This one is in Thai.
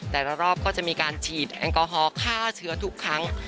แต่ละรอบก็จะมีการฉีดแอลกอฮอล์ฆ่าเชื้อทุกครั้ง